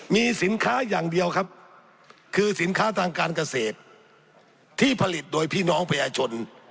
มีสินค้าอย่างเดียวครับคือสินค้าทางการเกษตรที่ผลิตโดยพี่น้องประชาชน